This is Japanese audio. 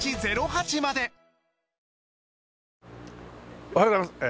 おはようございます。